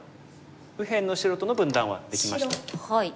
右辺の白との分断はできました。